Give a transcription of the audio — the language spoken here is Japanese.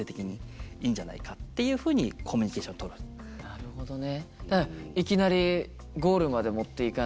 なるほどね。